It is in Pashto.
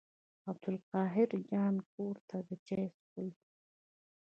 عبدالقاهر جان کور ته چای څښلو.